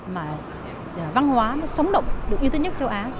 mà văn hóa nó sống động được yêu thích nhất châu á